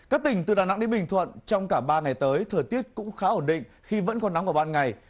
các tỉnh từ đà nẵng đến bình thuận trong cả ba ngày tới thời tiết cũng khá ổn định khi vẫn còn nắng vào ban ngày